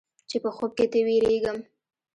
چې په خوب کې تې وېرېږم.